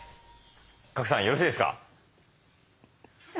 賀来さんよろしいですか。